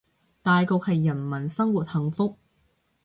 大局係人民生活幸福